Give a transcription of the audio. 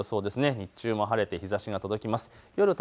日中も晴れて日ざしは届きます。